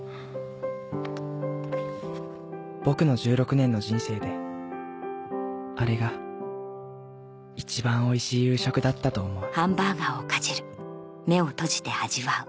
僕の１６年の人生であれが一番おいしい夕食だったと思う